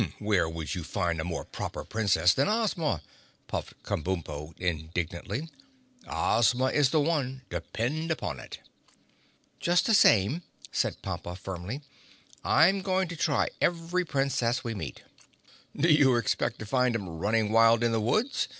"Where would you find a more Proper Princess than Ozma?" puffed Kabumpo indignantly. "Ozma is the one—depend upon it!" "Just the same," said Pompa firmly, "I'm going to try every Princess we meet!" "Do you expect to find 'em running wild in the woods?"